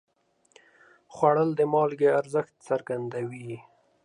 خوړل د مالګې ارزښت څرګندوي